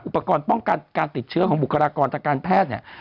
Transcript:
อุปกรณ์ป้องกันการติดเชื้อของบุคลากรทางการแพทย์เนี่ย